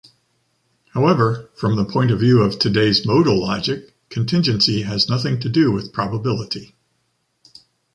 However, from the point of view of today's modal logic, contingency has nothing to do with probability.